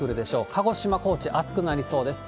鹿児島、高知、暑くなりそうです。